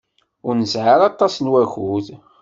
Ur nesɛi aṭas n wakud.